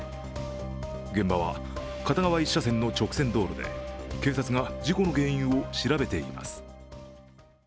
現場は片側１車線の直線道路で警察が事故の原因を調べています。